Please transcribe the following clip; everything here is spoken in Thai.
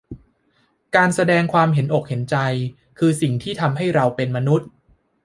การแสดงความเห็นอกเห็นใจคือสิ่งที่ทำให้เราเป็นมนุษย์